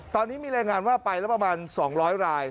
ตอนนี้มีรายงานว่าไปแล้วประมาณ๒๐๐ราย